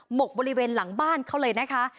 หกบริเวณหลังบ้านเขาเลยนะคะ